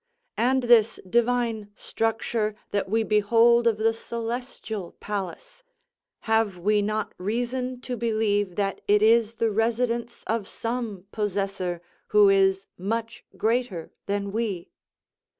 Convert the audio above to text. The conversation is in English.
And this divine structure, that we behold of the celestial palace, have we not reason to believe that it is the residence of some possessor, who is much greater than we?